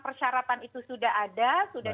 persyaratan itu sudah ada sudah